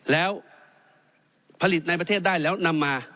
แล้วผลิตในประเทศได้แล้วนำมา